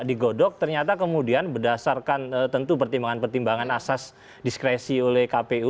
digodok ternyata kemudian berdasarkan tentu pertimbangan pertimbangan asas diskresi oleh kpu